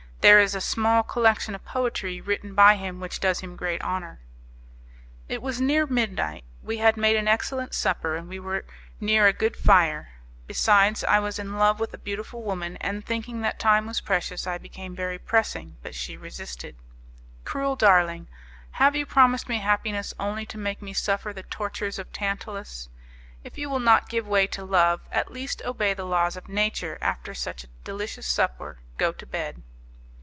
There is a small collection of poetry written by him which does him great honour." It was near midnight; we had made an excellent supper, and we were near a good fire. Besides, I was in love with a beautiful woman, and thinking that time was precious I became very pressing; but she resisted. "Cruel darling, have you promised me happiness only to make me suffer the tortures of Tantalus? If you will not give way to love, at least obey the laws of nature after such a delicious supper, go to bed."